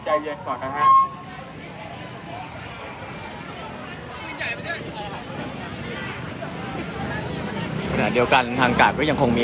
การประตูกรมทหารที่สิบเอ็ดเป็นภาพสดขนาดนี้นะครับ